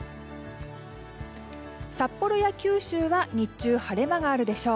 札幌や九州は日中、晴れ間があるでしょう。